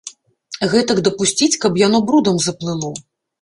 Гэтак дапусціць, каб яно брудам заплыло!